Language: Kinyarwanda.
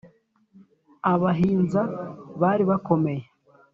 abahinza bari bakomeye